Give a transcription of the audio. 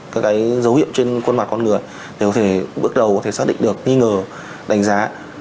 các cái dấu hiệu trên khuôn mặt con người để có thể bước đầu có thể xác định được nghi ngờ đánh giá